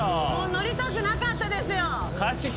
乗りたくなかったですよ。